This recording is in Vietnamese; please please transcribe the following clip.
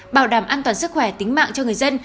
bảo đảm an toàn sức khỏe tính mạng cho người dân